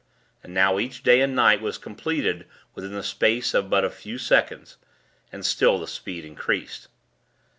And now each day and night was completed within the space of but a few seconds; and still the speed increased.